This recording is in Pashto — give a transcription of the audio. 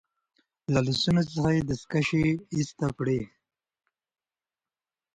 له لاسونو څخه يې دستکشې ایسته کړې.